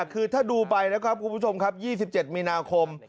คือถ้าดูไปนะครับคุณผู้ชมครับ๒๗มีนาคม